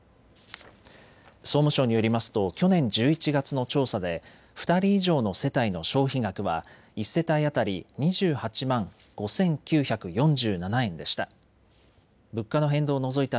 総務省によりますと去年１１月の調査で２人以上の世帯の消費額は１世帯当たり２８万５９４７円でした。